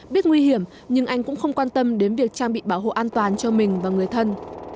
biết nguy hiểm nhưng anh cũng không quan tâm đến việc trang bị bảo hộ an toàn cho mình và người thân